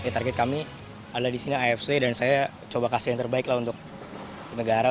target kami adalah di sini afc dan saya coba kasih yang terbaik lah untuk negara